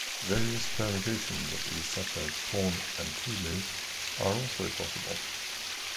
Various permutations of these, such as "pawn and two moves", are also possible.